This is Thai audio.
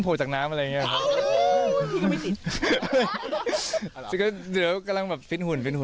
ทุกคนอยากรู้เลยนะเจด